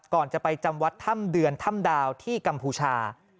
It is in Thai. ก่อนจะไปจำวัดถ้ำเดือนถ้ำดาวที่กัมพูชา